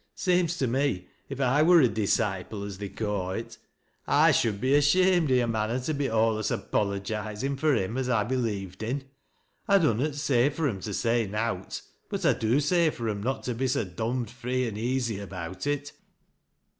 Seems to me if 1 wur a disciple as they ca' it I shoul t be ashamed i' a manner to be alius apologizin' fur him as I believed in. I dunnot say for 'era to say nowt, biit I do say for 'em not to be so dom'd free an easy ab'^ut it.